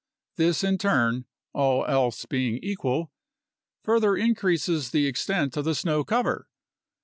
This in turn (all else being equal) further increases the extent of the snow cover.